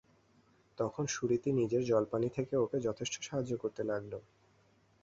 তখন সুরীতি নিজের জলপানি থেকে ওকে যথেষ্ট সাহায্য করতে লাগল।